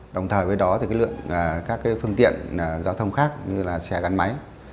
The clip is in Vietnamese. đồng thời với đó thì cái lượng các cái phương tiện giao thông khác như là xe gắn máy